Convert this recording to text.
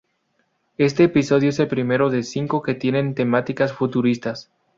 Este episodio es el primero de cinco que tienen temáticas futuristas.